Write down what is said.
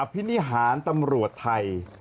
พินิหารตำรวจไทย